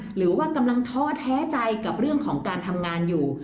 หรือว่ากำลังท้อแท้ใจกับเรื่องของการทำงานอยู่